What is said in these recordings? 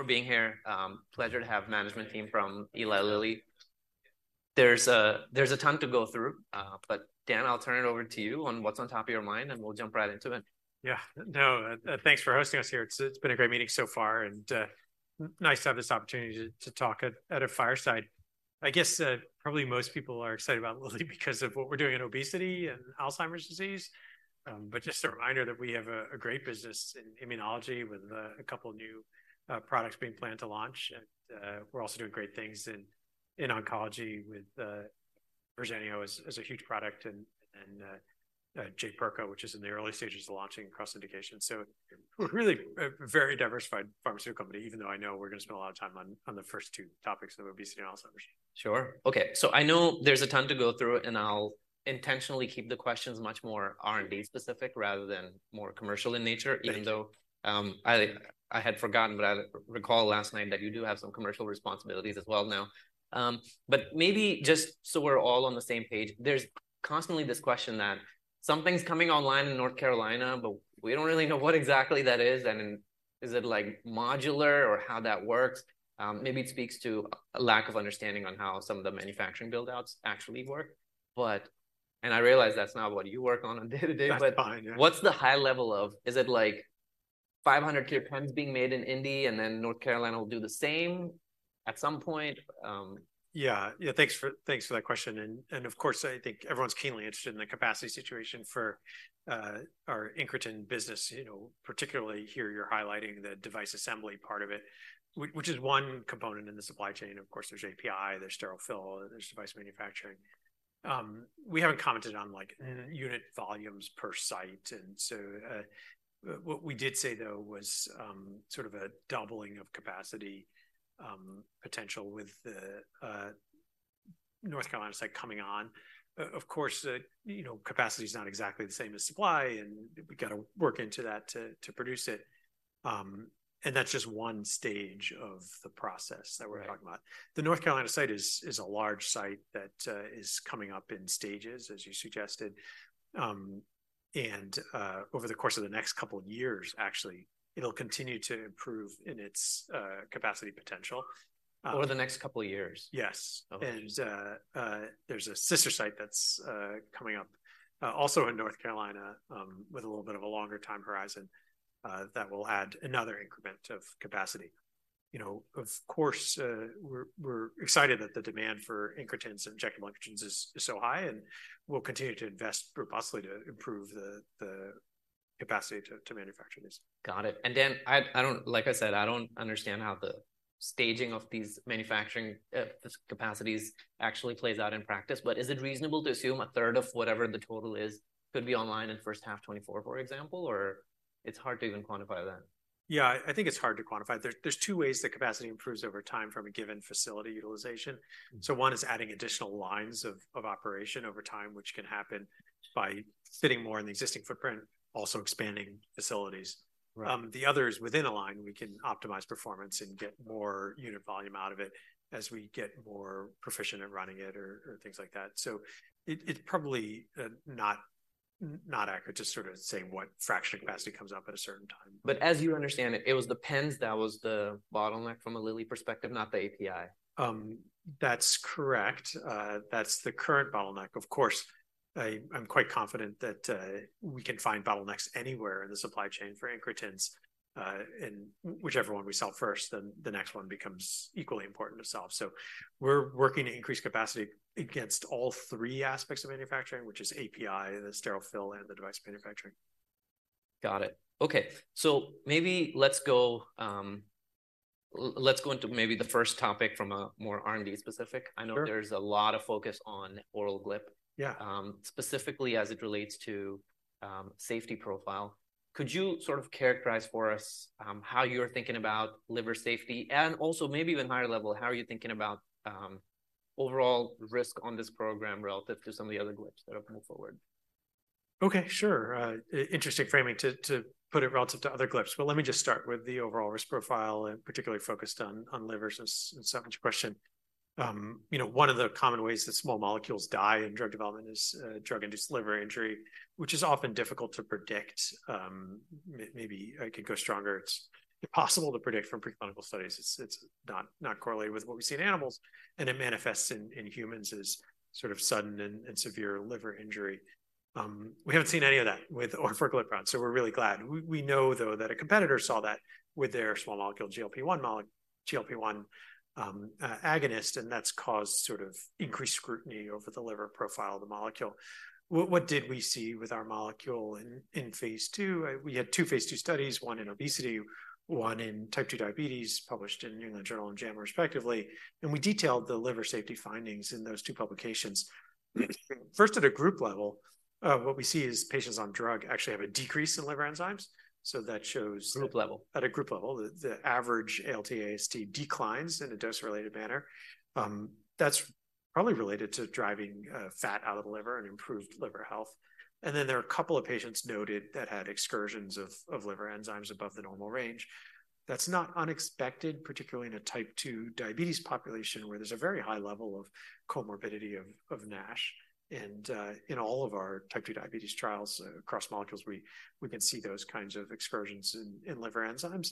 ..for being here. Pleasure to have management team from Eli Lilly. There's a ton to go through, but, Dan, I'll turn it over to you on what's on top of your mind, and we'll jump right into it. Yeah. No, thanks for hosting us here. It's been a great meeting so far, and nice to have this opportunity to talk at a fireside. I guess, probably most people are excited about Lilly because of what we're doing in obesity and Alzheimer's disease. But just a reminder that we have a great business in immunology with a couple new products being planned to launch. And we're also doing great things in oncology with Verzenio as a huge product, and Jaypirca, which is in the early stages of launching across indications. So we're really a very diversified pharmaceutical company, even though I know we're going to spend a lot of time on the first two topics of obesity and Alzheimer's. Sure. Okay, so I know there's a ton to go through, and I'll intentionally keep the questions much more R&D-specific rather than more commercial in nature- Right.... even though I had forgotten, but I recall last night that you do have some commercial responsibilities as well now. But maybe just so we're all on the same page, there's constantly this question that something's coming online in North Carolina, but we don't really know what exactly that is, and is it, like, modular or how that works? Maybe it speaks to a lack of understanding on how some of the manufacturing build-outs actually work, but... And I realize that's not what you work on on a day-to-day, but- That's fine. Yeah. What's the high level of... Is it, like, 500 stipend being made in Indy, and then North Carolina will do the same at some point? Yeah. Yeah, thanks for, thanks for that question. And of course, I think everyone's keenly interested in the capacity situation for our incretin business. You know, particularly here, you're highlighting the device assembly part of it, which is one component in the supply chain. Of course, there's API, there's sterile fill, there's device manufacturing. We haven't commented on, like, unit volumes per site, and so what we did say, though, was sort of a doubling of capacity potential with the North Carolina site coming on. Of course, you know, capacity is not exactly the same as supply, and we got to work into that to produce it. And that's just one stage of the process that we're talking about. Right. The North Carolina site is a large site that is coming up in stages, as you suggested. Over the course of the next couple of years, actually, it'll continue to improve in its capacity potential. Over the next couple of years? Yes. Okay. There's a sister site that's coming up, also in North Carolina, with a little bit of a longer time horizon, that will add another increment of capacity. You know, of course, we're excited that the demand for incretins and injectable incretins is so high, and we'll continue to invest purposely to improve the capacity to manufacture these. Got it. And, Dan, I don't, like I said, I don't understand how the staging of these manufacturing capacities actually plays out in practice, but is it reasonable to assume a third of whatever the total is could be online in the first half of 2024, for example, or it's hard to even quantify that? Yeah, I think it's hard to quantify. There's two ways that capacity improves over time from a given facility utilization. One is adding additional lines of operation over time, which can happen by fitting more in the existing footprint, also expanding facilities. Right. The other is within a line, we can optimize performance and get more unit volume out of it as we get more proficient at running it or things like that. So it's probably not accurate to sort of say what fraction of capacity comes up at a certain time. But as you understand it, it was the pens that was the bottleneck from a Lilly perspective, not the API? That's correct. That's the current bottleneck. Of course, I, I'm quite confident that, we can find bottlenecks anywhere in the supply chain for incretins, and whichever one we solve first, then the next one becomes equally important to solve. So we're working to increase capacity against all three aspects of manufacturing, which is API, the sterile fill, and the device manufacturing. Got it. Okay, so maybe let's go into maybe the first topic from a more R&D specific. Sure. I know there's a lot of focus on oral GLP- Yeah. Specifically as it relates to safety profile. Could you sort of characterize for us how you're thinking about liver safety? And also maybe even higher level, how are you thinking about overall risk on this program relative to some of the other GLPs that are coming forward? Okay, sure. Interesting framing to put it relative to other GLPs. But let me just start with the overall risk profile, and particularly focused on liver, since it's so much question. You know, one of the common ways that small molecules die in drug development is drug-induced liver injury, which is often difficult to predict. Maybe I could go stronger. It's impossible to predict from preclinical studies. It's not correlated with what we see in animals, and it manifests in humans as sort of sudden and severe liver injury. We haven't seen any of that with orforglipron, so we're really glad. We know, though, that a competitor saw that with their small molecule, GLP-1 agonist, and that's caused sort of increased scrutiny over the liver profile of the molecule. What did we see with our molecule Phase II? we had Phase II studies, one in obesity, one in Type 2 diabetes, published in New England Journal and JAMA respectively, and we detailed the liver safety findings in those two publications. First, at a group level, what we see is patients on drug actually have a decrease in liver enzymes, so that shows- Group level? At a group level, the average ALT/AST declines in a dose-related manner. That's probably related to driving fat out of the liver and improved liver health. And then there are a couple of patients noted that had excursions of liver enzymes above the normal range. That's not unexpected, particularly in a Type 2 diabetes population, where there's a very high level of comorbidity of NASH. And in all of our Type 2 diabetes trials, across molecules, we can see those kinds of excursions in liver enzymes.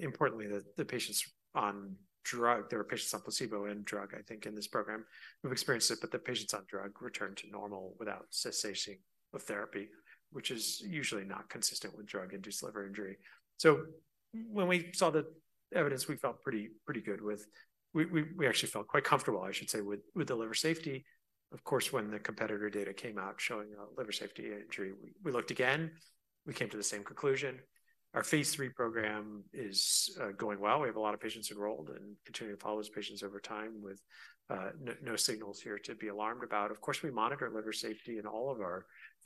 Importantly, the patients on drug, there were patients on placebo and drug, I think, in this program, who've experienced it, but the patients on drug returned to normal without cessation of therapy, which is usually not consistent with drug-induced liver injury. So when we saw the evidence, we felt pretty good. We actually felt quite comfortable, I should say, with the liver safety. Of course, when the competitor data came out showing a liver safety injury, we looked again, we came to the same Phase III program is going well. We have a lot of patients enrolled and continue to follow those patients over time with no signals here to be alarmed about. Of course, we monitor liver safety in all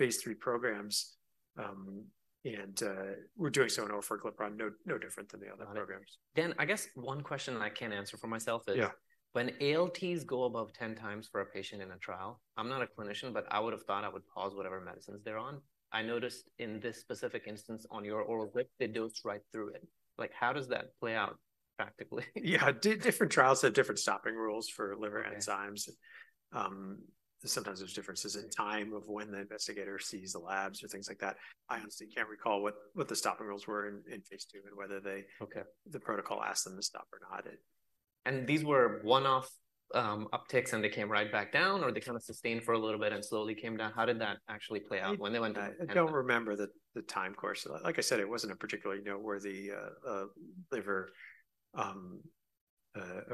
Phase III programs, and we're doing so in orforglipron, no different than the other programs. Dan, I guess one question that I can't answer for myself is- Yeah. When ALTs go above 10x for a patient in a trial, I'm not a clinician, but I would have thought I would pause whatever medicines they're on. I noticed in this specific instance on your oral GLP, they dosed right through it. Like, how does that play out practically? Yeah, different trials have different stopping rules for liver enzymes. Okay. Sometimes there's differences in time of when the investigator sees the labs or things like that. I honestly can't recall what the stopping rules were Phase II and whether they- Okay. The protocol asked them to stop or not. It. These were one-off, upticks, and they came right back down, or they kind of sustained for a little bit and slowly came down? How did that actually play out when they went up? I don't remember the time course. Like I said, it wasn't a particularly noteworthy liver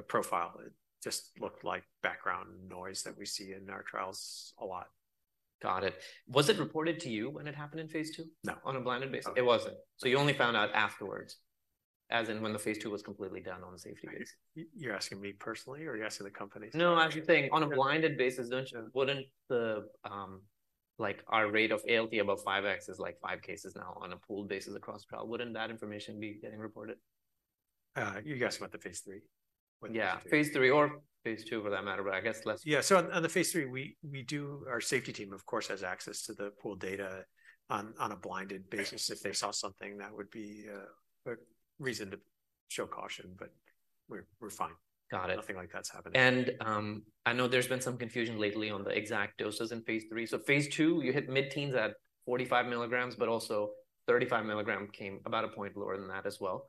profile. It just looked like background noise that we see in our trials a lot. Got it. Was it reported to you when it happened in Phase II? No. On a blinded basis? No. It wasn't. So you only found out afterwards, as in when Phase II was completely done on a safety basis? You're asking me personally, or you're asking the company? No, I'm actually saying on a blinded basis, don't you-- Wouldn't the, like, our rate of ALT above 5x is, like, five cases now on a pooled basis across trial. Wouldn't that information be getting reported? You're asking about the Phase III? Phase II, for that matter, but I guess less- Yeah, so Phase III, we do. Our safety team, of course, has access to the pooled data on a blinded basis. If they saw something, that would be a reason to show caution, but we're fine. Got it. Nothing like that's happening. I know there's been some confusion lately on the exact doses Phase II, you hit mid-teens at 45 milligrams, but also 35 milligram came about a point lower than that as well.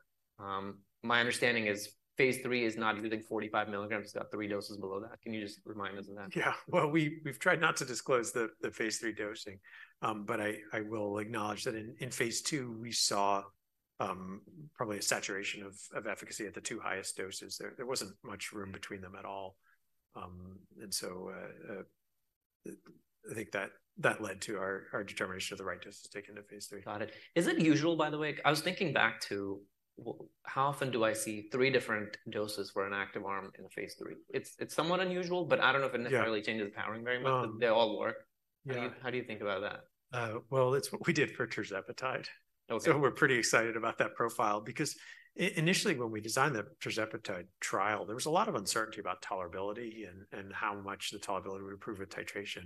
My understanding is Phase III is not using 45 milligrams. It's got three doses below that. Can you just remind us of that? Yeah. Well, we've tried not to Phase III dosing, but I will acknowledge that Phase II, we saw probably a saturation of efficacy at the two highest doses. There wasn't much room between them at all. And so, I think that led to our determination of the right doses taken to Phase III. Got it. Is it usual, by the way—I was thinking back to, well, how often do I see three different doses for an active arm Phase III? it's somewhat unusual, but I don't know if it- Yeah... necessarily changes the powering very much. No. They all work. Yeah. How do you think about that? Well, it's what we did for tirzepatide. Okay. So we're pretty excited about that profile because initially, when we designed the tirzepatide trial, there was a lot of uncertainty about tolerability and how much the tolerability would improve with titration.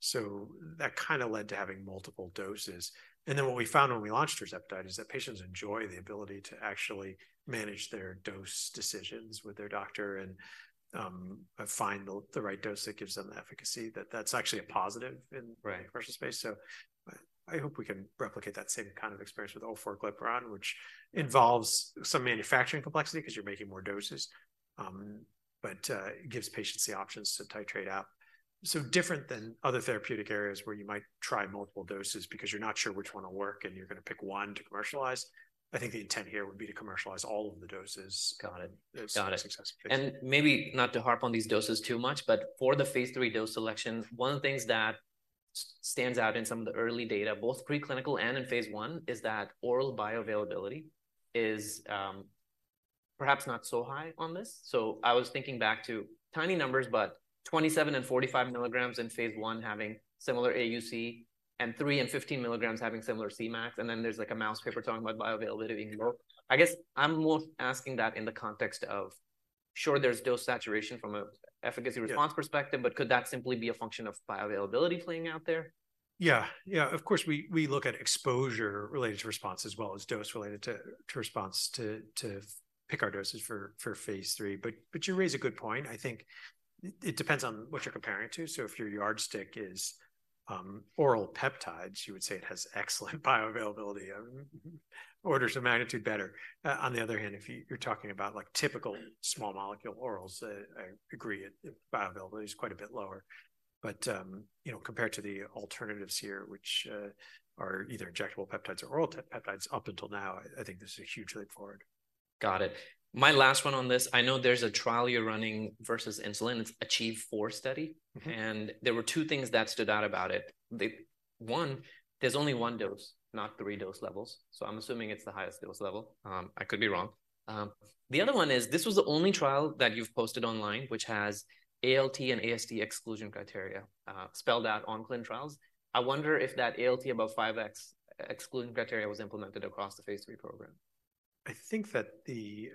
So that kinda led to having multiple doses. And then what we found when we launched tirzepatide is that patients enjoy the ability to actually manage their dose decisions with their doctor and find the right dose that gives them the efficacy. That's actually a positive in- Right... commercial space, so I hope we can replicate that same kind of experience with orforglipron, which involves some manufacturing complexity because you're making more doses, but it gives patients the options to titrate up. So different than other therapeutic areas where you might try multiple doses because you're not sure which one will work, and you're gonna pick one to commercialize. I think the intent here would be to commercialize all of the doses- Got it. Got it... if successful. Maybe not to harp on these doses too much, but Phase III dose selection, one of the things that stands out in some of the early data, both preclinical and in Phase I, is that oral bioavailability is perhaps not so high on this. So I was thinking back to tiny numbers, but 27 and 45 milligrams in Phase I having similar AUC, and three and 15 milligrams having similar Cmax, and then there's, like, a mouse paper talking about bioavailability being low. I guess I'm more asking that in the context of, sure, there's dose saturation from a efficacy- Yeah... response perspective, but could that simply be a function of bioavailability playing out there? Yeah. Yeah, of course, we look at exposure related to response as well as dose related to response to pick our Phase III. but you raise a good point. I think it depends on what you're comparing it to. So if your yardstick is oral peptides, you would say it has excellent bioavailability, orders of magnitude better. On the other hand, if you're talking about, like, typical small molecule orals, I agree, bioavailability is quite a bit lower. But you know, compared to the alternatives here, which are either injectable peptides or oral peptides, up until now, I think this is a huge leap forward. Got it. My last one on this: I know there's a trial you're running versus insulin. It's ACHIEVE-4 study. There were two things that stood out about it. The one, there's only one dose, not three dose levels, so I'm assuming it's the highest dose level. I could be wrong. The other one is, this was the only trial that you've posted online which has ALT and AST exclusion criteria spelled out on ClinTrials. I wonder if that ALT above 5x excluding criteria was implemented across Phase III program? I think that the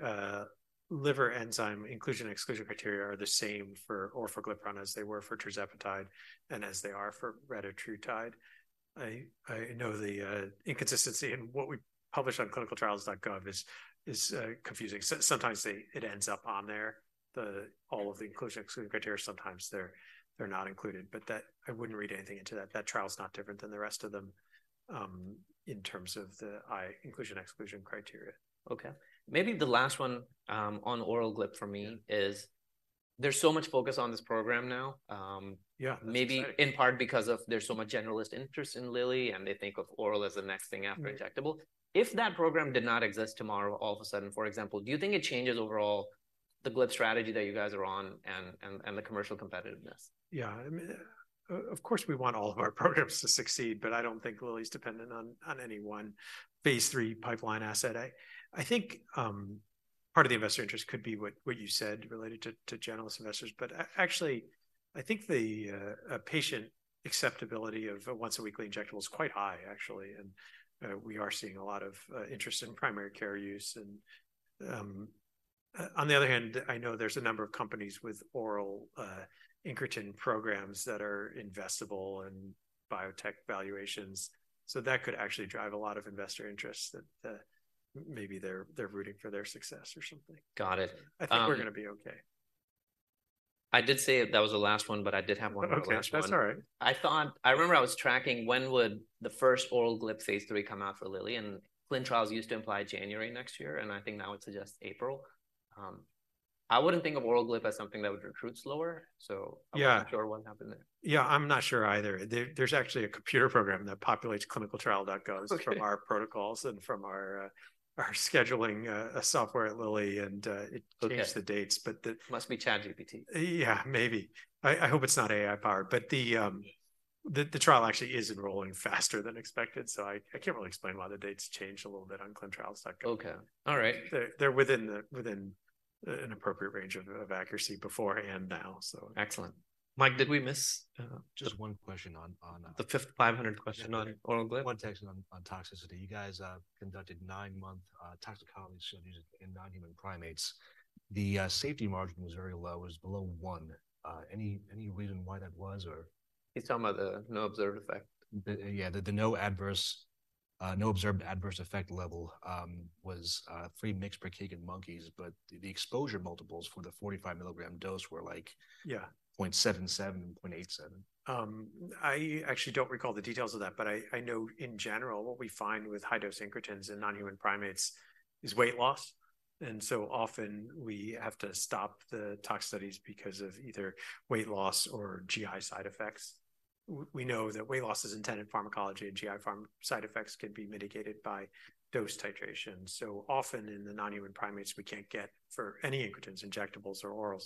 liver enzyme inclusion exclusion criteria are the same for orforglipron as they were for tirzepatide, and as they are for retatrutide. I, I know the inconsistency in what we published on ClinicalTrials.gov is confusing. So sometimes it ends up on there, all of the inclusion, exclusion criteria, sometimes they're not included. But that I wouldn't read anything into that. That trial is not different than the rest of them in terms of the inclusion, exclusion criteria. Okay. Maybe the last one, on oral GLP for me- Yeah... is, there's so much focus on this program now, Yeah, that's right. Maybe in part because there's so much generalist interest in Lilly, and they think of oral as the next thing after injectable. If that program did not exist tomorrow, all of a sudden, for example, do you think it changes overall the GLP strategy that you guys are on, and the commercial competitiveness? Yeah. I mean, of course, we want all of our programs to succeed, but I don't think Lilly's dependent on Phase III pipeline asset. I think part of the investor interest could be what you said related to general investors. But actually, I think the patient acceptability of a once a weekly injectable is quite high, actually, and we are seeing a lot of interest in primary care use. And on the other hand, I know there's a number of companies with oral incretin programs that are investable and biotech valuations, so that could actually drive a lot of investor interest that maybe they're rooting for their success or something. Got it. I think we're gonna be okay. I did say that that was the last one, but I did have one more last one. Okay, that's all right. I thought, I remember I was tracking when the first Phase III would come out for Lilly, and clinical trials used to imply January next year, and I think now it suggests April. I wouldn't think of oral GLP as something that would recruit slower, so- Yeah... I'm not sure what happened there. Yeah, I'm not sure either. There's actually a computer program that populates ClinicalTrials.gov- Okay... from our protocols and from our scheduling software at Lilly, and it- Okay... changes the dates, but the- Must be ChatGPT. Yeah, maybe. I hope it's not AI powered, but the trial actually is enrolling faster than expected, so I can't really explain why the dates changed a little bit on ClinicalTrials.gov. Okay. All right. They're within an appropriate range of accuracy before and now, so. Excellent. Mike, did we miss- Just one question on, on, The fifth question on oral GLP? One question on toxicity. You guys conducted nine-month toxicology studies in non-human primates. The safety margin was very low, it was below one. Any reason why that was, or? He's talking about the no observed effect. Yeah, the no observed adverse effect level was three mg per kg in monkeys, but the exposure multiples for the 45 milligram dose were like- Yeah... 0.77, 0.87. I actually don't recall the details of that, but I know in general, what we find with high-dose incretins in non-human primates is weight loss, and so often we have to stop the tox studies because of either weight loss or GI side effects. We know that weight loss is intended pharmacology, and GI side effects can be mitigated by dose titration. So often in the non-human primates, we can't get for any incretins, injectables or orals,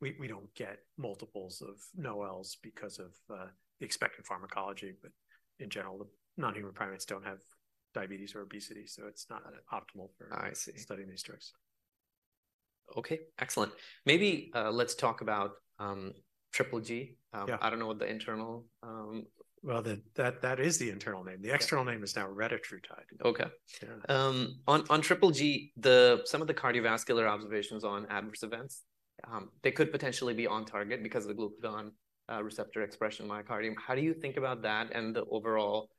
we don't get multiples of NOELs because of the expected pharmacology. But in general, the non-human primates don't have diabetes or obesity, so it's not optimal for- I see... studying these drugs. Okay, excellent. Maybe, let's talk about Triple G. Yeah. I don't know what the internal, Well, that is the internal name. Yeah. The external name is now retatrutide. Okay. Yeah. On Triple G, some of the cardiovascular observations on adverse events, they could potentially be on target because of the glucagon receptor expression in myocardium. How do you think about that and the overall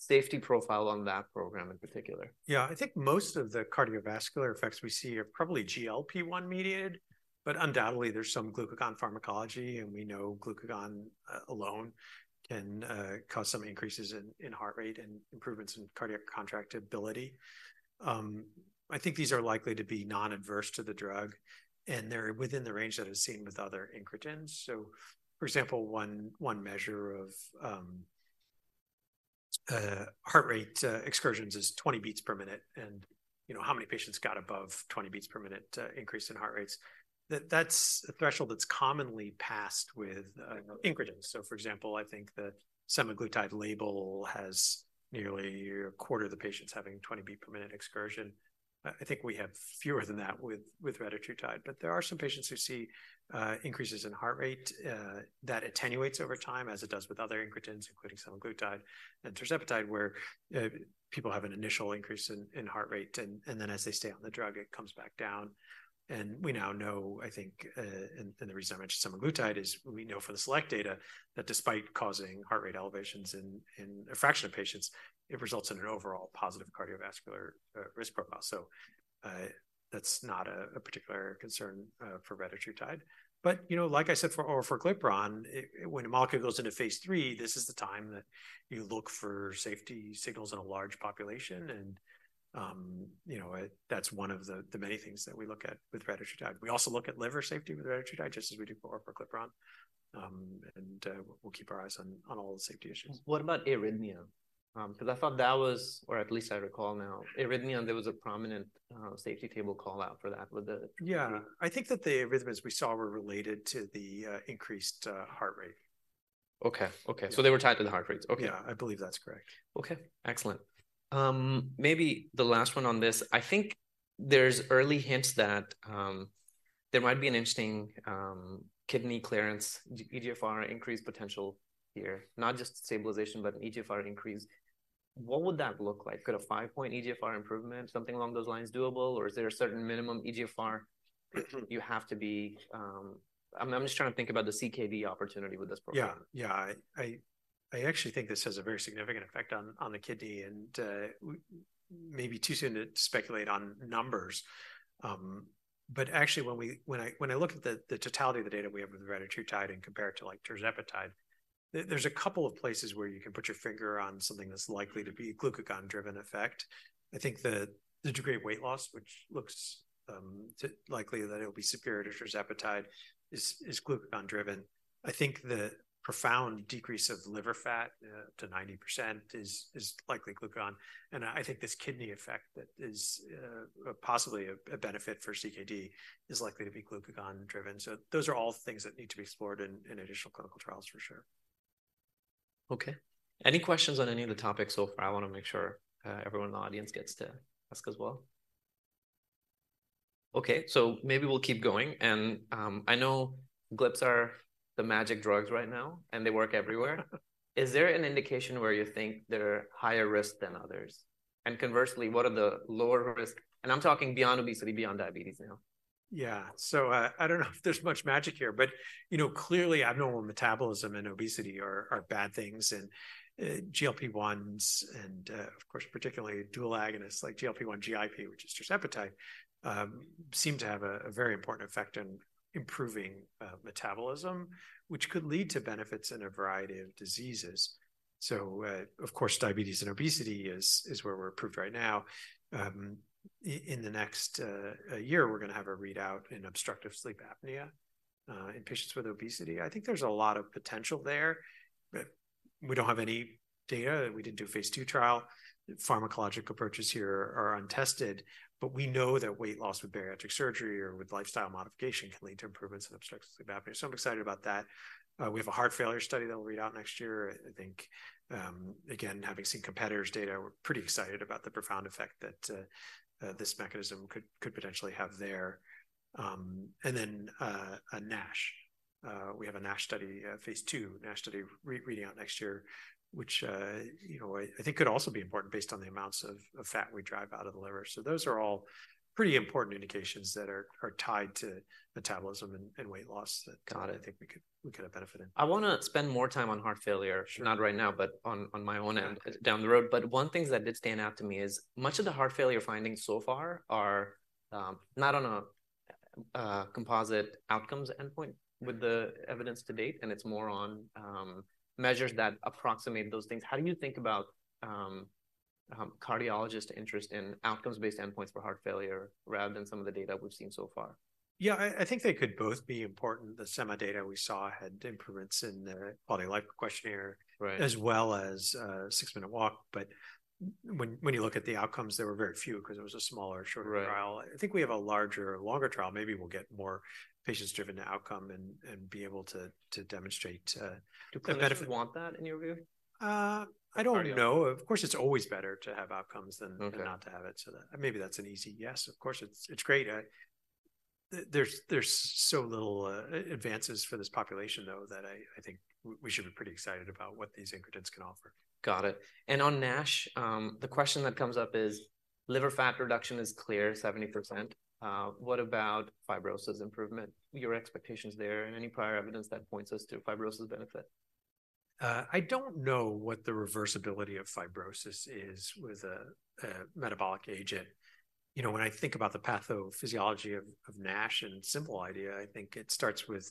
safety profile on that program in particular? Yeah. I think most of the cardiovascular effects we see are probably GLP-1 mediated, but undoubtedly there's some glucagon pharmacology, and we know glucagon alone can cause some increases in heart rate and improvements in cardiac contractility. I think these are likely to be non-adverse to the drug, and they're within the range that is seen with other incretins. So, for example, one measure of heart rate excursions is 20 beats per minute, and, you know, how many patients got above 20 beats per minute increase in heart rates? That's a threshold that's commonly passed with incretins. So, for example, I think the semaglutide label has nearly a quarter of the patients having a 20 beat per minute excursion. I think we have fewer than that with retatrutide, but there are some patients who see increases in heart rate that attenuates over time, as it does with other incretins, including semaglutide and tirzepatide, where people have an initial increase in heart rate, and then as they stay on the drug, it comes back down. And we now know, I think, and the reason I mentioned semaglutide is, we know from the SELECT data that despite causing heart rate elevations in a fraction of patients, it results in an overall positive cardiovascular risk profile. So, that's not a particular concern for retatrutide. But, you know, like I said, for orforglipron, when a molecule Phase III, this is the time that you look for safety signals in a large population, and, you know, that's one of the many things that we look at with retatrutide. We also look at liver safety with retatrutide, just as we did for orforglipron. And we'll keep our eyes on all the safety issues. What about arrhythmia? Because I thought that was, or at least I recall now, arrhythmia, there was a prominent safety table call-out for that with the retatrutide. Yeah. I think that the arrhythmias we saw were related to the increased heart rate. Okay, okay. So they were tied to the heart rate. Okay. Yeah, I believe that's correct. Okay, excellent. Maybe the last one on this, I think there's early hints that there might be an interesting kidney clearance, eGFR increase potential here. Not just stabilization, but an eGFR increase. What would that look like? Could a 5-point eGFR improvement, something along those lines, doable, or is there a certain minimum eGFR you have to be? I'm just trying to think about the CKD opportunity with this program. Yeah. Yeah, I actually think this has a very significant effect on the kidney, and maybe too soon to speculate on numbers. But actually, when I look at the totality of the data we have with retatrutide and compare it to, like, tirzepatide, there's a couple of places where you can put your finger on something that's likely to be glucagon-driven effect. I think the degree of weight loss, which looks likely that it'll be superior to tirzepatide, is glucagon driven. I think the profound decrease of liver fat to 90% is likely glucagon. And I think this kidney effect that is possibly a benefit for CKD is likely to be glucagon driven. So those are all things that need to be explored in additional clinical trials, for sure. Okay. Any questions on any of the topics so far? I wanna make sure everyone in the audience gets to ask as well. Okay, so maybe we'll keep going. I know GLP are the magic drugs right now, and they work everywhere. Is there an indication where you think they're higher risk than others? And conversely, what are the lower risk? And I'm talking beyond obesity, beyond diabetes now. Yeah. So, I don't know if there's much magic here, but, you know, clearly, abnormal metabolism and obesity are bad things, and, GLP-1s and, of course, particularly dual agonists like GLP-1, GIP, which is tirzepatide, seem to have a very important effect on improving metabolism, which could lead to benefits in a variety of diseases. So, of course, diabetes and obesity is where we're approved right now. In the next year, we're gonna have a readout in obstructive sleep apnea, in patients with obesity. I think there's a lot of potential there, but we don't have any data. We didn't do Phase II trial. Pharmacologic approaches here are untested, but we know that weight loss with bariatric surgery or with lifestyle modification can lead to improvements in obstructive sleep apnea, so I'm excited about that. We have a heart failure study that'll read out next year. I think, again, having seen competitors' data, we're pretty excited about the profound effect that this mechanism could potentially have there. And then, a NASH. We have a NASH Phase II, NASH study reading out next year, which, you know, I think could also be important based on the amounts of fat we drive out of the liver. So those are all pretty important indications that are tied to metabolism and weight loss that- Got it... I think we could benefit in. I wanna spend more time on heart failure. Sure. Not right now, but on my own end- Okay... down the road. But one thing that did stand out to me is much of the heart failure findings so far are not on a composite outcomes endpoint with the evidence to date, and it's more on measures that approximate those things. How do you think about cardiologists' interest in outcomes-based endpoints for heart failure, rather than some of the data we've seen so far? Yeah, I think they could both be important. The sema data we saw had improvements in the quality of life questionnaire. Right... as well as, six-minute walk. But when you look at the outcomes, there were very few because it was a smaller, shorter trial. Right. I think we have a larger, longer trial. Maybe we'll get more patients driven to outcome and be able to demonstrate duplicates. And then if we want that, in your view? I don't know. Okay. Of course, it's always better to have outcomes than- Okay... not to have it. So that, maybe that's an easy yes. Of course, it's great. There's so little advances for this population, though, that I think we should be pretty excited about what these ingredients can offer. Got it. And on NASH, the question that comes up is: liver fat reduction is clear, 70%. What about fibrosis improvement? Your expectations there, and any prior evidence that points us to fibrosis benefit. I don't know what the reversibility of fibrosis is with a metabolic agent. You know, when I think about the pathophysiology of NASH in simple idea, I think it starts with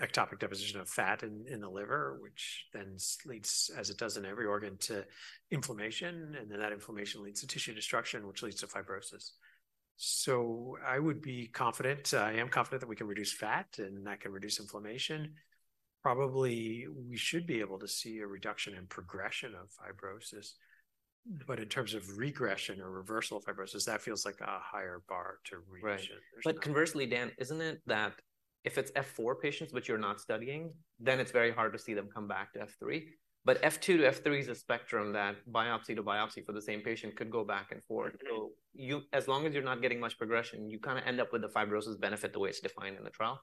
ectopic deposition of fat in the liver, which then leads, as it does in every organ, to inflammation, and then that inflammation leads to tissue destruction, which leads to fibrosis. So I would be confident, I am confident that we can reduce fat, and that can reduce inflammation. Probably, we should be able to see a reduction in progression of fibrosis. But in terms of regression or reversal of fibrosis, that feels like a higher bar to reach. Right. There's- But conversely, Dan, isn't it that if it's F4 patients, which you're not studying, then it's very hard to see them come back to F3? But F2-F3 is a spectrum that biopsy to biopsy for the same patient could go back and forth. As long as you're not getting much progression, you kind of end up with the fibrosis benefit, the way it's defined in the trial,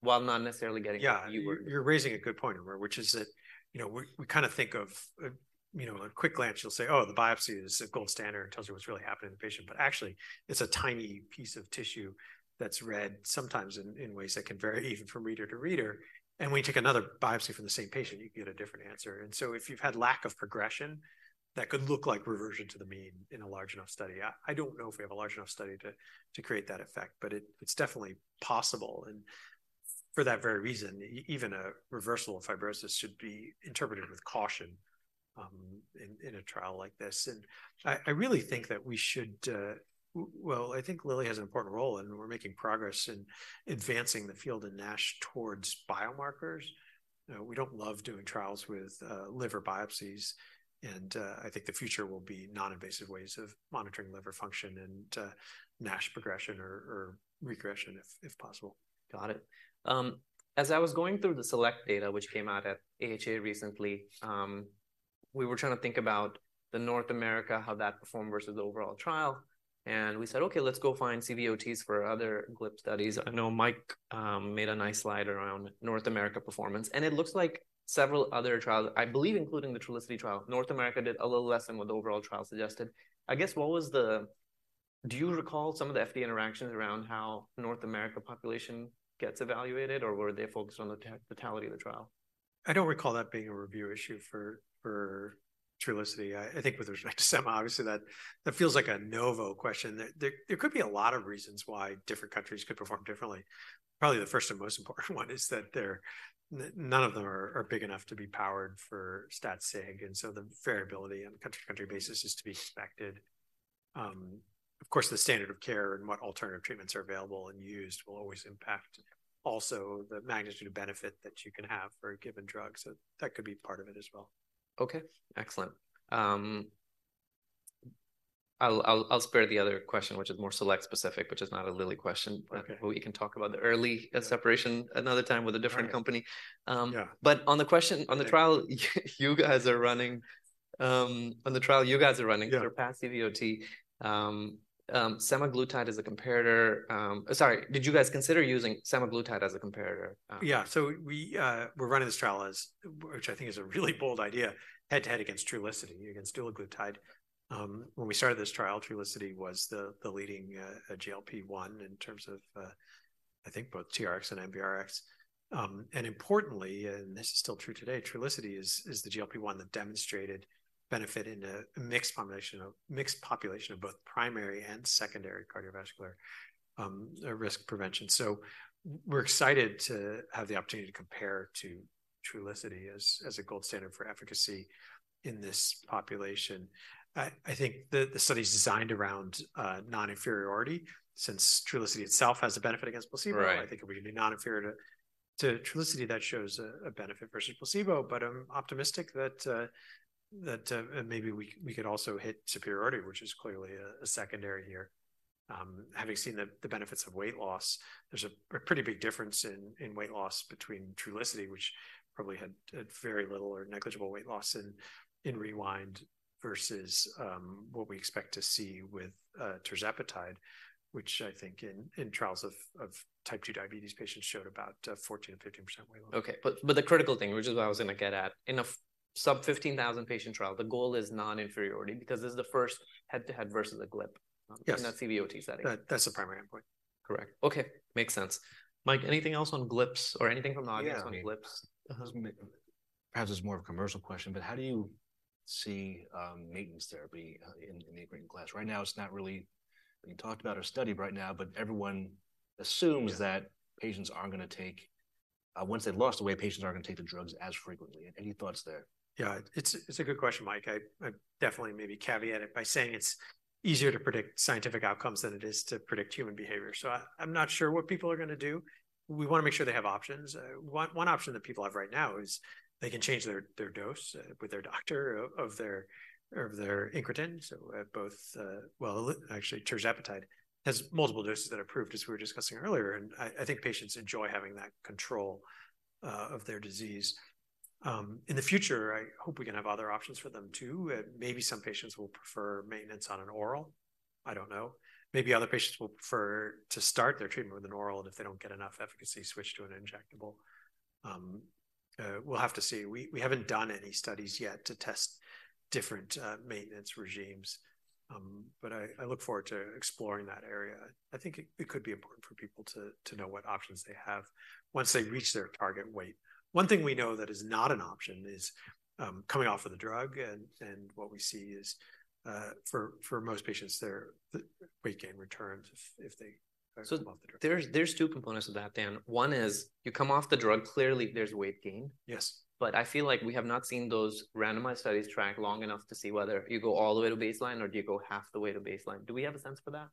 while not necessarily getting... Yeah-… you were- You're raising a good point, Amar, which is that, you know, we kind of think of, you know, a quick glance, you'll say: "Oh, the biopsy is a gold standard. It tells you what's really happening to the patient." But actually, it's a tiny piece of tissue that's read sometimes in ways that can vary even from reader to reader. And when you take another biopsy from the same patient, you can get a different answer. And so if you've had lack of progression, that could look like reversion to the mean in a large enough study. I don't know if we have a large enough study to create that effect, but it's definitely possible. And for that very reason, even a reversal of fibrosis should be interpreted with caution in a trial like this. Well, I think Lilly has an important role, and we're making progress in advancing the field of NASH towards biomarkers. We don't love doing trials with liver biopsies, and I think the future will be non-invasive ways of monitoring liver function and NASH progression or regression if possible. Got it. As I was going through the SELECT data, which came out at AHA recently, we were trying to think about the North America, how that performed versus the overall trial. And we said, "Okay, let's go find CVOTs for other GLP studies." I know Mike made a nice slide around North America performance, and it looks like several other trials, I believe, including the Trulicity trial. North America did a little less than what the overall trial suggested. I guess what was the. Do you recall some of the FDA interactions around how North America population gets evaluated, or were they focused on the totality of the trial? I don't recall that being a review issue for Trulicity. I think with respect to sema, obviously, that feels like a Novo question. There could be a lot of reasons why different countries could perform differently. Probably, the first and most important one is that none of them are big enough to be powered for stat sig, and so the variability on a country-to-country basis is to be expected. Of course, the standard of care and what alternative treatments are available and used will always impact also the magnitude of benefit that you can have for a given drug, so that could be part of it as well. Okay, excellent. I'll spare the other question, which is more SELECT specific, which is not a Lilly question. Okay. We can talk about the early separation another time with a different company. All right. Yeah. But on the question on the trial you guys are running Yeah... for past CVOT, semaglutide as a comparator. Sorry, did you guys consider using semaglutide as a comparator? Yeah, so we're running this trial as, which I think is a really bold idea, head-to-head against Trulicity, against dulaglutide. When we started this trial, Trulicity was the, the leading, GLP-1 in terms of, I think both TRX and NBRX. And importantly, and this is still true today, Trulicity is, is the GLP-1 that demonstrated benefit in a, a mixed combination of, mixed population of both primary and secondary cardiovascular, risk prevention. So we're excited to have the opportunity to compare to Trulicity as, as a gold standard for efficacy in this population. I, I think the, the study's designed around, non-inferiority, since Trulicity itself has a benefit against placebo. Right. I think it would be non-inferior to Trulicity that shows a benefit versus placebo, but I'm optimistic that maybe we could also hit superiority, which is clearly a secondary here. Having seen the benefits of weight loss, there's a pretty big difference in weight loss between Trulicity, which probably had very little or negligible weight loss in REWIND, versus what we expect to see with tirzepatide, which I think in trials of Type 2 diabetes patients showed about 14%-15% weight loss. Okay. But, but the critical thing, which is what I was gonna get at, in a sub-15,000 patient trial, the goal is non-inferiority because this is the first head-to-head versus the GLP- Yes - in a CVOT setting. That, that's the primary endpoint. Correct. Okay, makes sense. Mike, anything else on GLPs or anything from audience on GLPs? Yeah. Perhaps it's more of a commercial question, but how do you see maintenance therapy in the current class? Right now, it's not really being talked about or studied right now, but everyone assumes that- Yeah... patients aren't gonna take, once they've lost the weight, patients aren't gonna take the drugs as frequently. Any thoughts there? Yeah, it's a good question, Mike. I'd definitely maybe caveat it by saying it's easier to predict scientific outcomes than it is to predict human behavior. So I'm not sure what people are gonna do. We wanna make sure they have options. One option that people have right now is they can change their dose with their doctor of their incretin. So, well, actually, tirzepatide has multiple doses that are approved, as we were discussing earlier, and I think patients enjoy having that control of their disease. In the future, I hope we can have other options for them too. Maybe some patients will prefer maintenance on an oral. I don't know. Maybe other patients will prefer to start their treatment with an oral, and if they don't get enough efficacy, switch to an injectable. We'll have to see. We haven't done any studies yet to test different maintenance regimens, but I look forward to exploring that area. I think it could be important for people to know what options they have once they reach their target weight. One thing we know that is not an option is coming off of the drug, and what we see is, for most patients, their weight gain returns if they come off the drug. So there's two components of that, Dan. One is you come off the drug, clearly, there's weight gain. Yes. I feel like we have not seen those randomized studies track long enough to see whether you go all the way to baseline, or do you go half the way to baseline. Do we have a sense for that?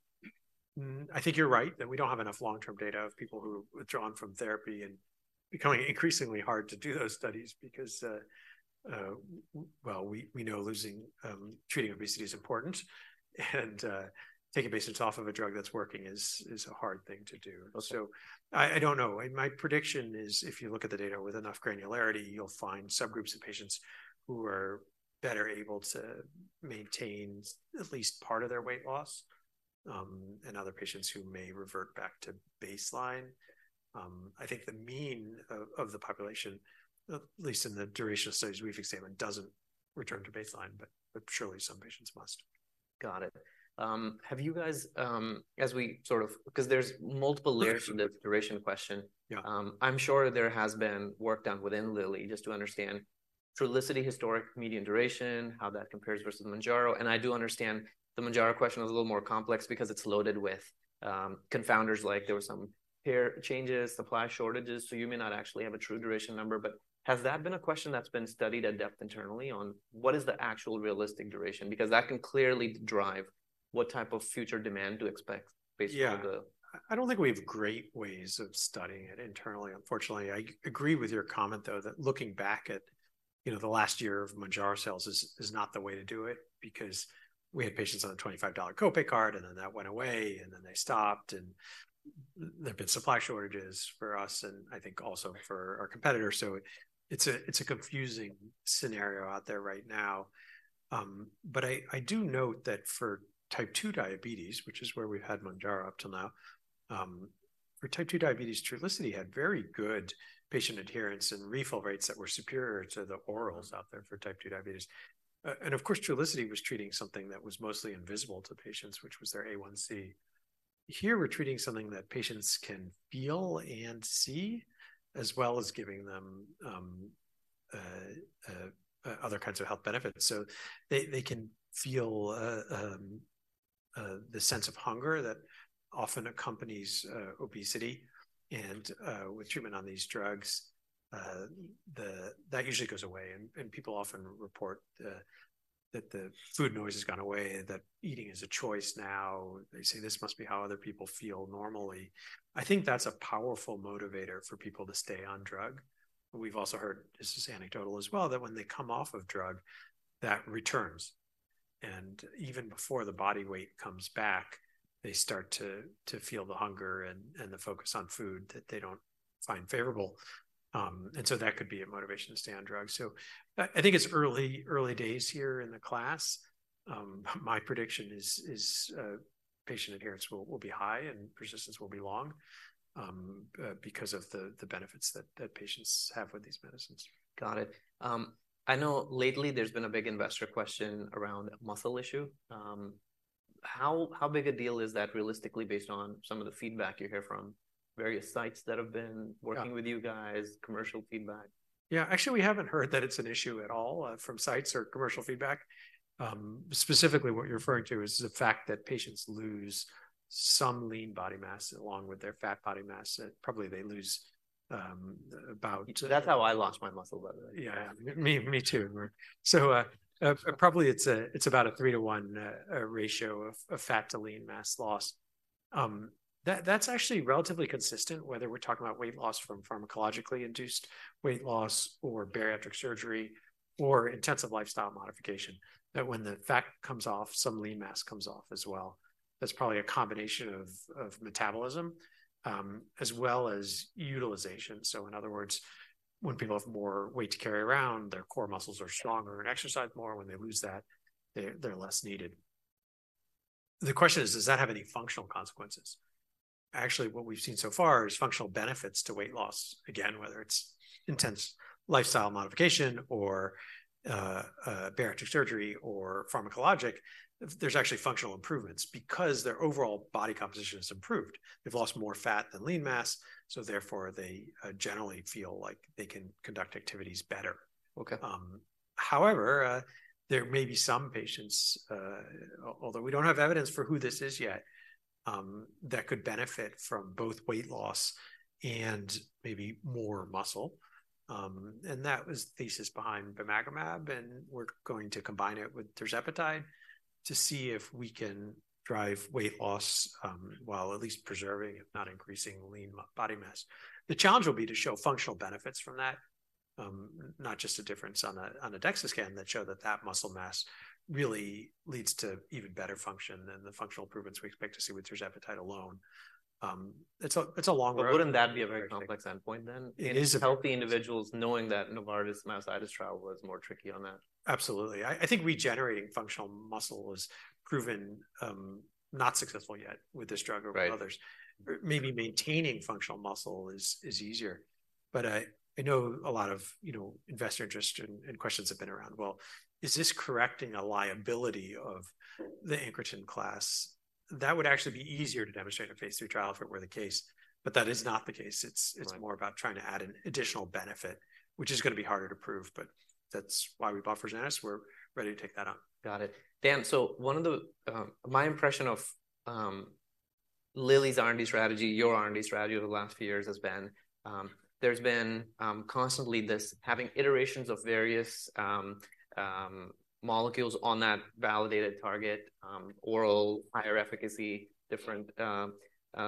I think you're right that we don't have enough long-term data of people who withdraw from therapy, and becoming increasingly hard to do those studies because, well, we know treating obesity is important, and taking patients off of a drug that's working is a hard thing to do. Also- I, I don't know. My prediction is, if you look at the data with enough granularity, you'll find subgroups of patients who are better able to maintain at least part of their weight loss, and other patients who may revert back to baseline. I think the mean of the population, at least in the duration of studies we've examined, doesn't return to baseline, but surely some patients must. Got it. Have you guys, as we sort of, because there's multiple layers to this duration question- Yeah I'm sure there has been work done within Lilly just to understand Trulicity historic median duration, how that compares versus Mounjaro. And I do understand the Mounjaro question is a little more complex because it's loaded with confounders. Like, there were some payer changes, supply shortages, so you may not actually have a true duration number. But has that been a question that's been studied at depth internally on what is the actual realistic duration? Because that can clearly drive what type of future demand to expect based on the- Yeah. I don't think we have great ways of studying it internally, unfortunately. I agree with your comment, though, that looking back, you know, the last year of Mounjaro sales is not the way to do it, because we had patients on a $25 copay card, and then that went away, and then they stopped. And there've been supply shortages for us, and I think also for our competitors. So it's a confusing scenario out there right now. But I do note that for Type 2 diabetes, which is where we've had Mounjaro up till now, for Type 2 diabetes, Trulicity had very good patient adherence and refill rates that were superior to the orals out there for Type 2 diabetes. And of course, Trulicity was treating something that was mostly invisible to patients, which was their A1C. Here, we're treating something that patients can feel and see, as well as giving them other kinds of health benefits. So they can feel the sense of hunger that often accompanies obesity, and with treatment on these drugs, that usually goes away. And people often report that the food noise has gone away, and that eating is a choice now. They say, "This must be how other people feel normally." I think that's a powerful motivator for people to stay on drug. We've also heard, this is anecdotal as well, that when they come off of drug, that returns, and even before the body weight comes back, they start to feel the hunger and the focus on food that they don't find favorable. And so that could be a motivation to stay on drug. So I think it's early days here in the class. My prediction is patient adherence will be high, and persistence will be long, because of the benefits that patients have with these medicines. Got it. I know lately there's been a big investor question around muscle issue. How big a deal is that realistically based on some of the feedback you hear from various sites that have been- Yeah... working with you guys, commercial feedback? Yeah, actually, we haven't heard that it's an issue at all from sites or commercial feedback. Specifically, what you're referring to is the fact that patients lose some lean body mass along with their fat body mass, that probably they lose about- So that's how I lost my muscle by the way. Yeah. Yeah. Me, me too. So, probably it's a—it's about a 3:1 ratio of fat to lean mass loss. That, that's actually relatively consistent, whether we're talking about weight loss from pharmacologically induced weight loss, or bariatric surgery, or intensive lifestyle modification, that when the fat comes off, some lean mass comes off as well. That's probably a combination of metabolism, as well as utilization. So in other words, when people have more weight to carry around, their core muscles are stronger and exercise more. When they lose that, they're less needed. The question is: Does that have any functional consequences? Actually, what we've seen so far is functional benefits to weight loss. Again, whether it's intense lifestyle modification or bariatric surgery, or pharmacologic, there's actually functional improvements because their overall body composition has improved. They've lost more fat than lean mass, so therefore they generally feel like they can conduct activities better. Okay. However, there may be some patients, although we don't have evidence for who this is yet, that could benefit from both weight loss and maybe more muscle. And that was the thesis behind bimagrumab, and we're going to combine it with tirzepatide to see if we can drive weight loss, while at least preserving, if not increasing lean body mass. The challenge will be to show functional benefits from that, not just a difference on a DEXA scan, that show that that muscle mass really leads to even better function than the functional improvements we expect to see with tirzepatide alone. It's a long road- But wouldn't that be a very complex endpoint then? It is- Healthy individuals, knowing that Novartis' myositis trial was more tricky on that. Absolutely. I think regenerating functional muscle was proven not successful yet with this drug- Right... or with others. Maybe maintaining functional muscle is easier. But I know a lot of, you know, investor interest and questions have been around: Well, is this correcting a liability of the incretin class? That would actually be easier to Phase III trial if it were the case, but that is not the case. Right. It's more about trying to add an additional benefit, which is gonna be harder to prove, but that's why we bought Versanis. We're ready to take that on. Got it. Dan, so one of the my impression of Lilly's R&D strategy, your R&D strategy over the last few years has been, there's been constantly this having iterations of various molecules on that validated target, oral, higher efficacy, different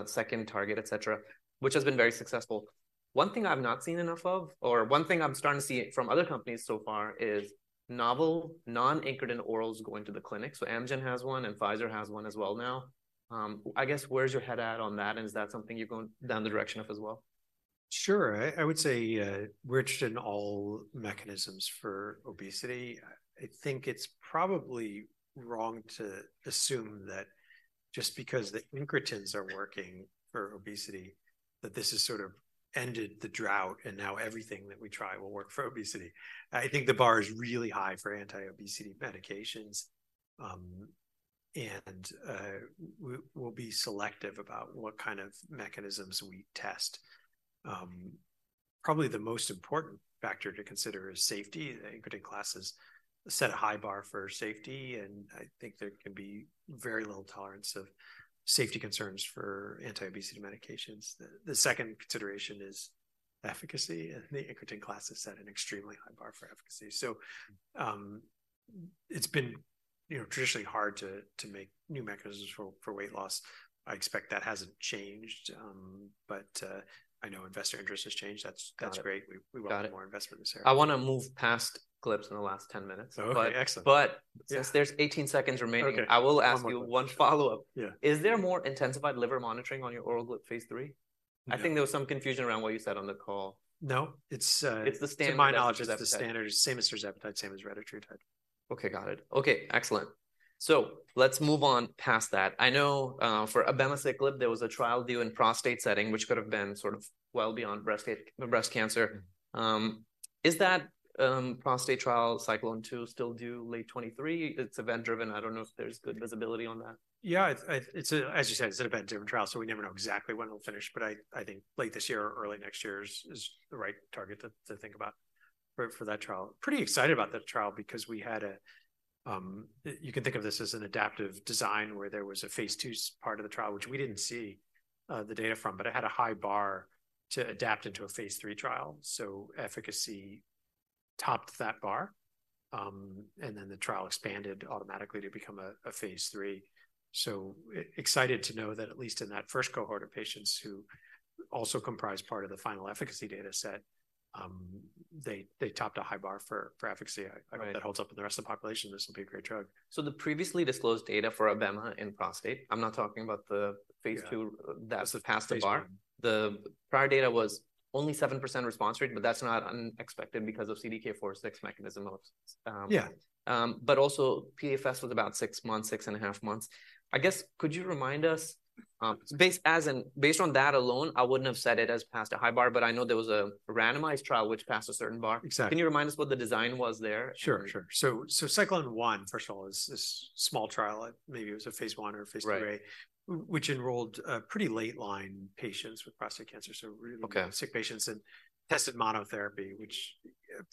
second target, et cetera, which has been very successful. One thing I've not seen enough of, or one thing I'm starting to see from other companies so far, is novel non-incretin orals going to the clinic. So Amgen has one, and Pfizer has one as well now. I guess, where's your head at on that, and is that something you're going down the direction of as well? Sure. I would say we're interested in all mechanisms for obesity. I think it's probably wrong to assume that just because the incretins are working for obesity, that this has sort of ended the drought, and now everything that we try will work for obesity. I think the bar is really high for anti-obesity medications, and we'll be selective about what kind of mechanisms we test. Probably the most important factor to consider is safety. The incretin classes set a high bar for safety, and I think there can be very little tolerance of safety concerns for anti-obesity medications. The second consideration is efficacy, and the incretin class has set an extremely high bar for efficacy. So, it's been you know, traditionally hard to make new mechanisms for weight loss. I expect that hasn't changed, but I know investor interest has changed. That's- Got it. That's great. Got it. We welcome more investment in this area. I wanna move past GLP in the last 10-minutes. Okay, excellent. But- Yeah. Since there's 18-seconds remaining- Okay, one more. I will ask you one follow-up. Yeah. Is there more intensified liver monitoring on your oral GLP Phase III? Yeah. I think there was some confusion around what you said on the call. No, it's. It's the standard- To my knowledge, it's the standard. Same as tirzepatide, same as retatrutide. Okay, got it. Okay, excellent. So let's move on past that. I know, for abemaciclib, there was a trial due in prostate setting, which could have been sort of well beyond breast cancer. Is that, prostate trial CYCLONE-2 still due late 2023? It's event-driven. I don't know if there's good visibility on that. Yeah, it's a... As you said, it's an event-driven trial, so we never know exactly when it'll finish. But I think late this year or early next year is the right target to think about for that trial. Pretty excited about that trial because we had a, you can think of this as an adaptive design, where there was Phase II part of the trial, which we didn't see the data from, but it had a high bar to adapt Phase III trial. so efficacy topped that bar, and then the trial expanded automatically to Phase III. so excited to know that at least in that first cohort of patients, who also comprised part of the final efficacy data set, they topped a high bar for efficacy. Right. I hope that holds up in the rest of the population, this will be a great drug. The previously disclosed data for abemaciclib in prostate, I'm not talking about the Phase II- Yeah... that's passed the bar. Phase II. The prior data was only 7% response rate, but that's not unexpected because of CDK4/6 mechanism of, Yeah. But also PFS was about six months, 6.5 months. I guess, could you remind us, based on that alone, I wouldn't have said it as passed a high bar, but I know there was a randomized trial which passed a certain bar. Exactly. Can you remind us what the design was there? Sure. So, CYCLONE-1, first of all, is this small trial, maybe it was a Phase I or Phase II- Right... which enrolled pretty late-line patients with prostate cancer. So- Okay... sick patients and tested monotherapy, which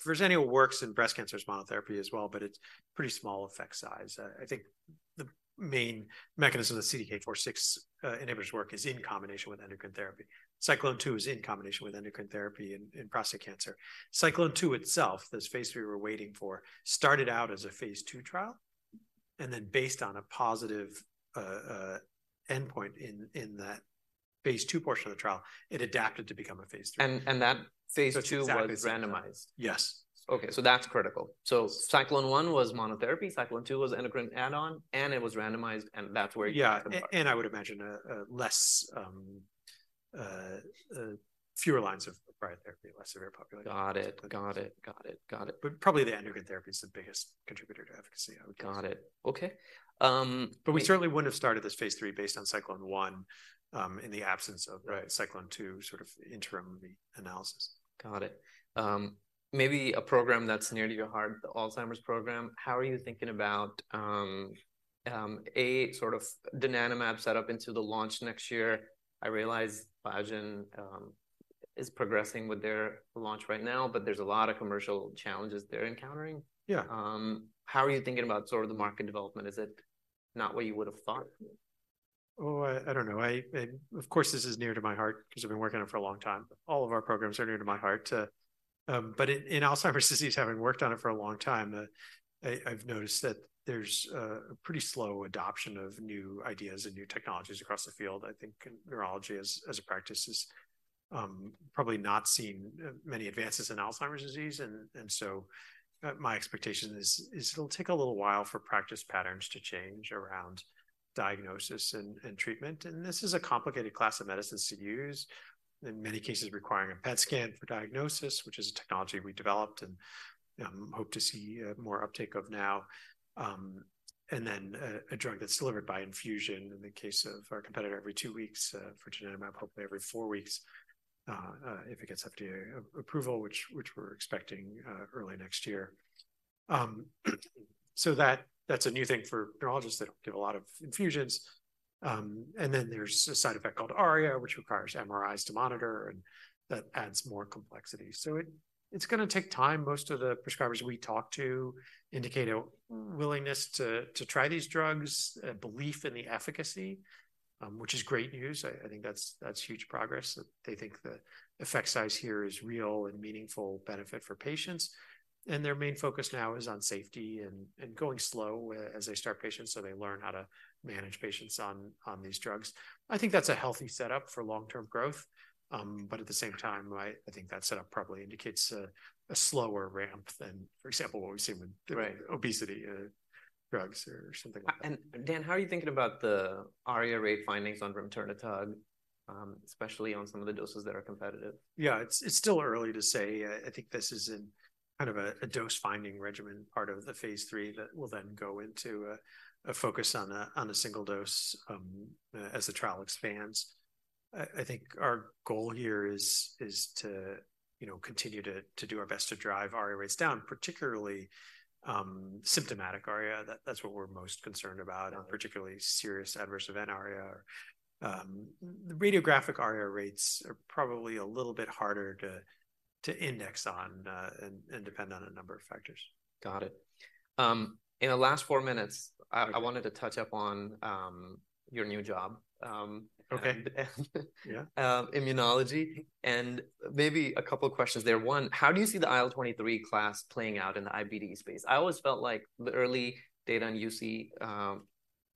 Verzenio works in breast cancer as monotherapy as well, but it's pretty small effect size. I think the main mechanism of the CDK4/6 inhibitors work is in combination with endocrine therapy. CYCLONE-2 is in combination with endocrine therapy in prostate cancer. CYCLONE-2 Phase III we're waiting for, started out as Phase II trial, and then based on a positive endpoint in Phase II portion of the trial, it adapted to become a Phase III. And that Phase II- Exactly... was randomized? Yes. Okay, so that's critical. CYCLONE-1 was monotherapy, CYCLONE-2 was endocrine add-on, and it was randomized, and that's where you- Yeah. And I would imagine fewer lines of prior therapy, less severe population. Got it, got it. Got it, got it. Probably the endocrine therapy is the biggest contributor to efficacy, I would say. Got it. Okay, But we certainly wouldn't have Phase III based on CYCLONE-1, in the absence of, right, CYCLONE-2 sort of interim analysis. Got it. Maybe a program that's near to your heart, the Alzheimer's program. How are you thinking about a sort of donanemab set up into the launch next year? I realize Biogen is progressing with their launch right now, but there's a lot of commercial challenges they're encountering. Yeah. How are you thinking about sort of the market development? Is it not what you would have thought? Oh, I don't know. Of course, this is near to my heart because I've been working on it for a long time. All of our programs are near to my heart, but in Alzheimer's disease, having worked on it for a long time, I've noticed that there's a pretty slow adoption of new ideas and new technologies across the field. I think neurology as a practice is probably not seeing many advances in Alzheimer's disease. And so my expectation is it'll take a little while for practice patterns to change around diagnosis and treatment. And this is a complicated class of medicines to use, in many cases requiring a PET scan for diagnosis, which is a technology we developed and hope to see more uptake of now. And then, a drug that's delivered by infusion, in the case of our competitor, every two weeks, for donanemab, hopefully every four weeks, if it gets FDA approval, which we're expecting, early next year. So that, that's a new thing for neurologists. They don't give a lot of infusions. And then there's a side effect called ARIA, which requires MRIs to monitor, and that adds more complexity. So it's gonna take time. Most of the prescribers we talk to indicate a willingness to try these drugs, a belief in the efficacy, which is great news. I think that's huge progress, that they think the effect size here is real and meaningful benefit for patients. And their main focus now is on safety and going slow as they start patients, so they learn how to manage patients on these drugs. I think that's a healthy setup for long-term growth. But at the same time, I think that setup probably indicates a slower ramp than, for example, what we've seen with- Right... obesity drugs or something like that. Dan, how are you thinking about the ARIA rate findings on remternetug, especially on some of the doses that are competitive? Yeah, it's still early to say. I think this is in kind of a dose-finding regimen, part Phase III that will then go into a focus on a single dose as the trial expands. I think our goal here is to, you know, continue to do our best to drive ARIA rates down, particularly symptomatic ARIA. That's what we're most concerned about- Yeah... and particularly serious adverse event ARIA. The radiographic ARIA rates are probably a little bit harder to index on, and depend on a number of factors. Got it. In the last 4 minutes- Okay... I wanted to touch up on your new job... Okay. Yeah. Immunology, and maybe a couple of questions there. One, how do you see the IL-23 class playing out in the IBD space? I always felt like the early data on UC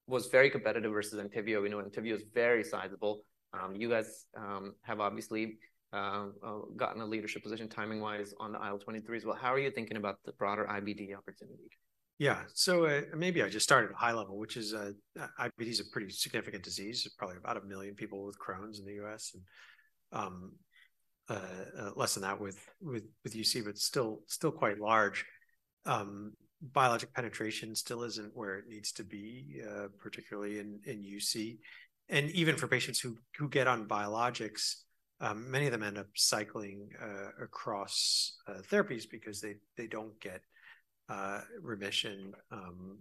was very competitive versus Entyvio. We know Entyvio is very sizable. You guys have obviously gotten a leadership position timing-wise on the IL-23 as well. How are you thinking about the broader IBD opportunity? Yeah. So, maybe I just start at a high level, which is, IBD is a pretty significant disease. There's probably about 1 million people with Crohn's in the US, and, less than that with UC, but still quite large. Biologic penetration still isn't where it needs to be, particularly in UC, and even for patients who get on biologics, many of them end up cycling across therapies because they don't get remission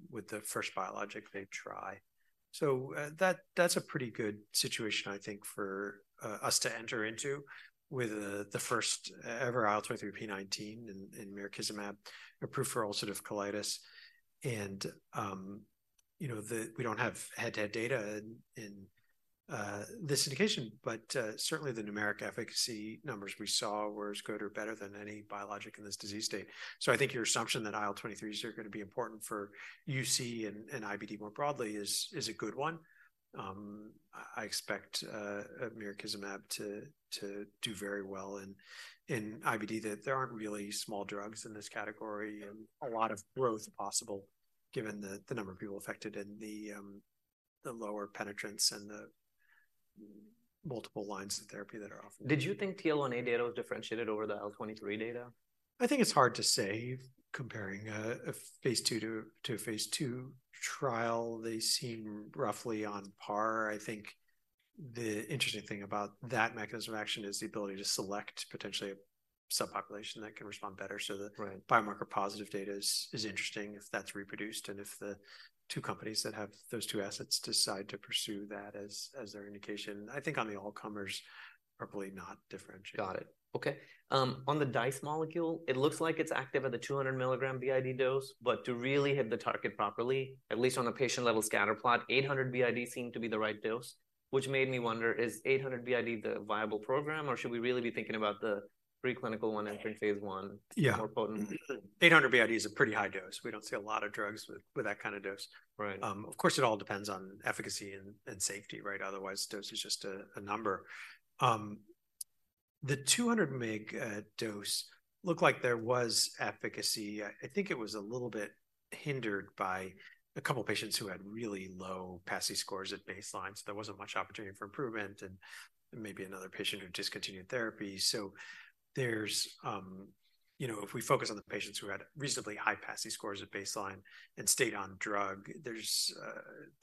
with the first biologic they try. So, that, that's a pretty good situation, I think, for us to enter into with the first ever IL-23p19 in mirikizumab, approved for ulcerative colitis. You know, we don't have head-to-head data in this indication, but certainly the numeric efficacy numbers we saw were as good or better than any biologic in this disease state. So I think your assumption that IL-23s are gonna be important for UC and IBD more broadly is a good one. I expect mirikizumab to do very well in IBD, that there aren't really small drugs in this category, and a lot of growth possible given the number of people affected and the lower penetrance and the multiple lines of therapy that are offered. Did you think TL1A data was differentiated over the IL-23 data? I think it's hard to say, comparing Phase II-Phase II trial. They seem roughly on par. I think the interesting thing about that mechanism of action is the ability to select potentially a subpopulation that can respond better. So the- Right... biomarker positive data is interesting if that's reproduced, and if the two companies that have those two assets decide to pursue that as their indication. I think on the all comers, probably not differentiated. Got it. Okay. On the DICE molecule, it looks like it's active at the 200 mg BID dose, but to really hit the target properly, at least on a patient-level scatter plot, 800 mg BID seemed to be the right dose, which made me wonder, is 800 mg BID the viable program, or should we really be thinking about the preclinical one entered Phase I- Yeah - more potent? 800 BID is a pretty high dose. We don't see a lot of drugs with that kind of dose. Right. Of course, it all depends on efficacy and, and safety, right? Otherwise, dose is just a, a number. The 200 mg dose looked like there was efficacy. I, I think it was a little bit hindered by a couple patients who had really low PASI scores at baseline, so there wasn't much opportunity for improvement, and maybe another patient who discontinued therapy. So there's, you know, if we focus on the patients who had reasonably high PASI scores at baseline and stayed on drug, there's, I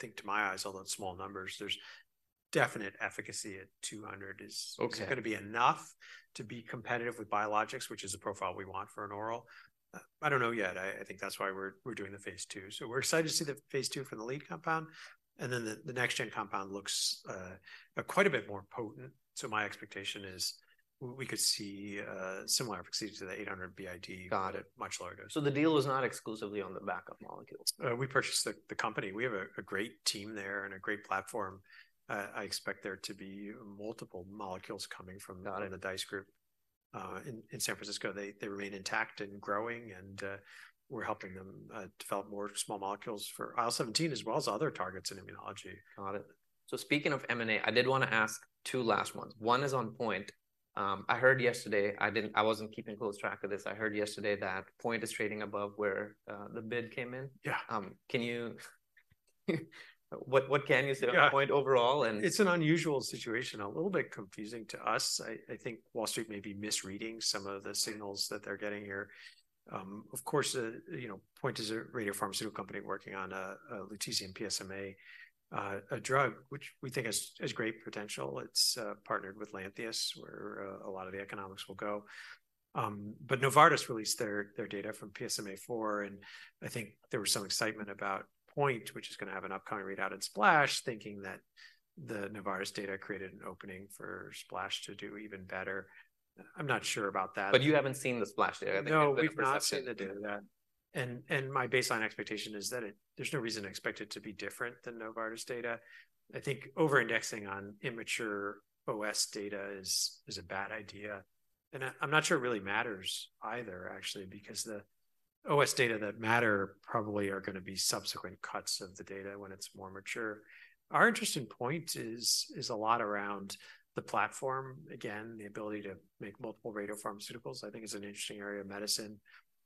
think to my eyes, although small numbers, there's definite efficacy at 200. Okay. Is it gonna be enough to be competitive with biologics, which is a profile we want for an oral? I don't know yet. I think that's why we're doing Phase II. so we're excited to see Phase II for the lead compound, and then the next gen compound looks quite a bit more potent. So my expectation is we could see similar efficacy to the 800 BID- Got it... but at much larger. So the deal is not exclusively on the backup molecules? We purchased the company. We have a great team there and a great platform. I expect there to be multiple molecules coming from- Got it... the DICE group in San Francisco. They remain intact and growing, and we're helping them develop more small molecules for IL-17, as well as other targets in immunology. Got it. So speaking of M&A, I did wanna ask two last ones. One is on POINT. I heard yesterday, I wasn't keeping close track of this. I heard yesterday that POINT is trading above where the bid came in. Yeah. Can you... What, what can you say- Yeah... about POINT overall and- It's an unusual situation, a little bit confusing to us. I think Wall Street may be misreading some of the signals that they're getting here. Of course, you know, POINT is a radiopharmaceutical company working on a lutetium PSMA drug, which we think has great potential. It's partnered with Lantheus, where a lot of the economics will go. But Novartis released their data from PSMAfore, and I think there was some excitement about POINT, which is gonna have an upcoming readout in SPLASH, thinking that the Novartis data created an opening for SPLASH to do even better. I'm not sure about that. But you haven't seen the SPLASH data? No, we've not seen the data yet. And my baseline expectation is that it, there's no reason to expect it to be different than Novartis data. I think overindexing on immature OS data is a bad idea, and I'm not sure it really matters either, actually, because the OS data that matter probably are gonna be subsequent cuts of the data when it's more mature. Our interest in POINT is a lot around the platform. Again, the ability to make multiple radiopharmaceuticals, I think, is an interesting area of medicine.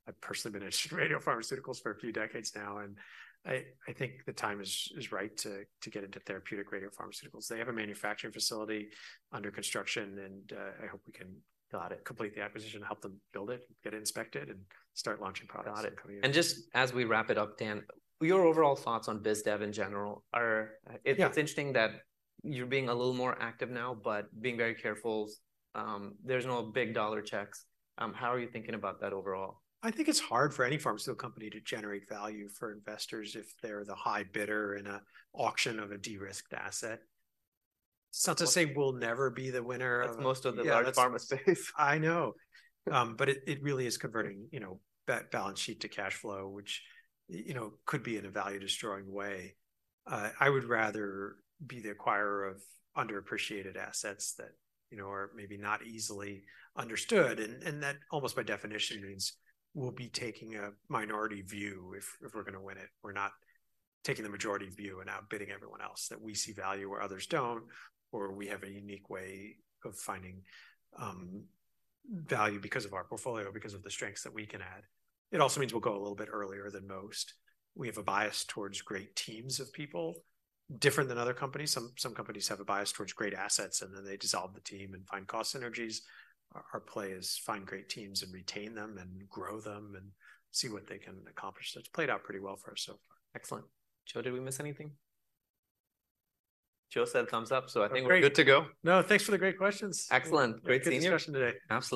I've personally been interested in radiopharmaceuticals for a few decades now, and I think the time is right to get into therapeutic radiopharmaceuticals. They have a manufacturing facility under construction, and I hope we can- Got it... complete the acquisition, help them build it, get it inspected, and start launching products. Got it. Just as we wrap it up, Dan, your overall thoughts on biz dev in general are- Yeah. It's interesting that you're being a little more active now, but being very careful. There's no big dollar checks. How are you thinking about that overall? I think it's hard for any pharmaceutical company to generate value for investors if they're the high bidder in a auction of a de-risked asset. It's not to say we'll never be the winner of- That's most of the large pharma space. I know. But it really is converting, you know, balance sheet to cash flow, which, you know, could be in a value-destroying way. I would rather be the acquirer of underappreciated assets that, you know, are maybe not easily understood, and that, almost by definition, means we'll be taking a minority view if we're gonna win it. We're not taking the majority view and outbidding everyone else, that we see value where others don't, or we have a unique way of finding value because of our portfolio, because of the strengths that we can add. It also means we'll go a little bit earlier than most. We have a bias towards great teams of people, different than other companies. Some companies have a bias towards great assets, and then they dissolve the team and find cost synergies. Our play is find great teams and retain them and grow them and see what they can accomplish. So it's played out pretty well for us so far. Excellent. Joe, did we miss anything? Joe said, "Thumbs up," so I think- Great... we're good to go. No, thanks for the great questions. Excellent. Great seeing you. Thanks for the discussion today. Absolutely.